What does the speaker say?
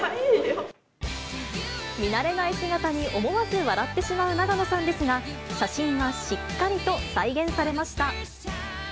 見慣れない姿に思わず笑ってしまう永野さんですが、写真はしっかりと再現されました。